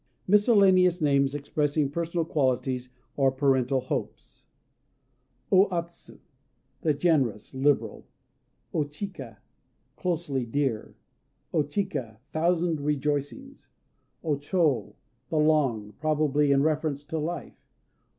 MISCELLANEOUS NAMES EXPRESSING PERSONAL QUALITIES, OR PARENTAL HOPES O Atsu "The Generous," liberal. O Chika "Closely Dear." O Chika "Thousand Rejoicings." O Chô "The Long," probably in reference to life.